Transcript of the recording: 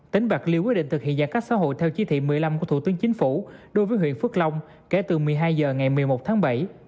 tỉnh bạc liêu quyết định thực hiện giãn cách xã hội theo chỉ thị một mươi năm của thủ tướng chính phủ đối với huyện phước long kể từ một mươi hai h ngày một mươi một tháng bảy